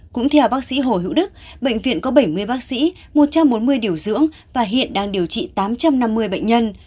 cũng theo bác sĩ hồ hữu đức bệnh viện có bảy mươi bác sĩ một trăm bốn mươi điều dưỡng và hiện đang điều trị tám trăm năm mươi bệnh nhân